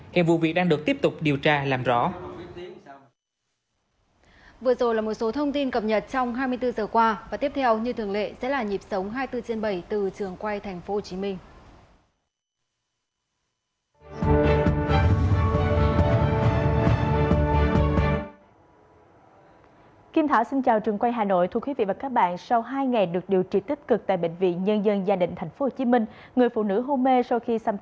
hẹn vụ việc đang được tiếp tục điều tra làm rõ